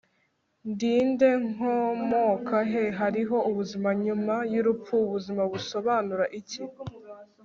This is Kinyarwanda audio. Ndi nde Nkomoka he Hariho ubuzima nyuma yurupfu Ubuzima busobanura iki